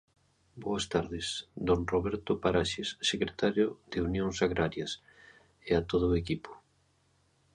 Boas tardes, don Roberto Paraxes, secretario de Unións Agrarias, e a todo o equipo.